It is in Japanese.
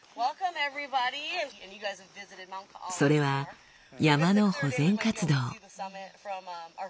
それは山の保全活動。